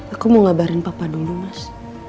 aku mau ngabarin papa dulu mas